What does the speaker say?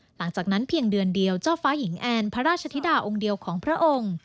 หลังจากนั้นเพียงเดือนเดียวเจ้าฟ้าหญิงแอนพระราชธิดาองค์เดียวของพระองค์